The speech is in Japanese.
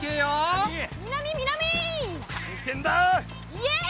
イエイ！